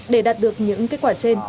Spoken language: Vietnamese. để đạt được những kết quả trên